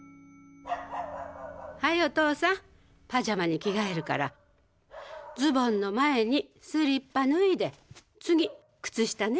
はいおとうさんパジャマに着替えるからズボンの前にスリッパ脱いで次靴下ね。